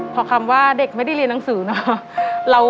พอคำว่าเด็กไม่ได้เรียนหนังสือเนอะ